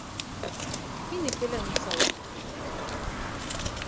Һинеке лә нисауа!..